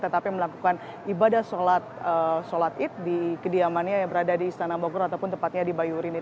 tetapi melakukan ibadah sholat id di kediamannya yang berada di istana bogor ataupun tepatnya di bayu rini